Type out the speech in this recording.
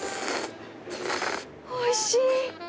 おいしい！